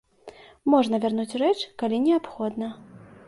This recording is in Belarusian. Можна вярнуць рэч, калі неабходна.